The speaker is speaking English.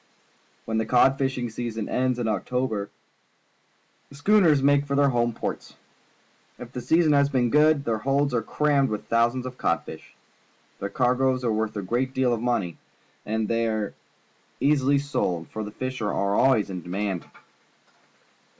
When the cod fishing season ends in October, the schooners make for their home ports. If the season has been good, their holds are crammed with thousands of codfish. The cargoes are worth a great deal of money, and thej^ are ea.sily sold, for the fish are always in demand.